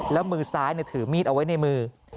แล้วมือซ้ายถือมีดเอาไว้ในมือ